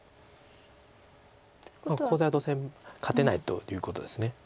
コウ材はどうせ勝てないということです。